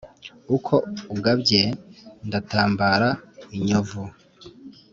uko ugabye ndatambana inyovu.